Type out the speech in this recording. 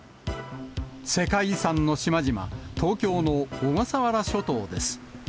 世界遺産の島々、東京の小笠原諸島です。